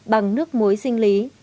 bằng nước muối sinh lý